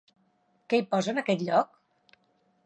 Què hi posa en aquell lloc?